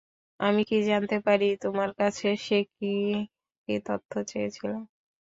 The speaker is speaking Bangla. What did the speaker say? আমি কী জানতে পারি তোমার কাছে সে কী কী তথ্য চেয়েছিল?